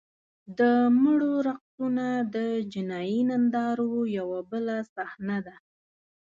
د مړو رقصونه د جنایي نندارو یوه بله صحنه ده.